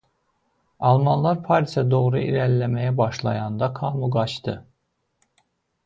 Almanlar Parisə doğru irəliləməyə başlayanda Kamü qaçdı.